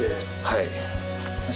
はい。